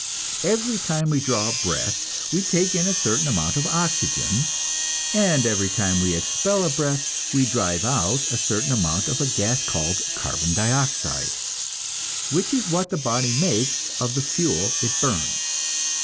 Every time we draw a breath we take in a certain amount of oxygen, and every time we expel a breath, we drive out a certain amount of a gas called carbon dioxide, which is what the body makes of the fuel it burns.